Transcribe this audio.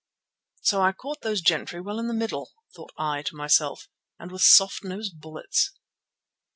"So I caught those gentry well in the middle," thought I to myself, "and with soft nosed bullets!"